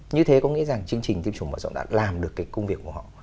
như thế có nghĩa rằng chương trình tiêm chủng mở rộng đã làm được cái công việc của họ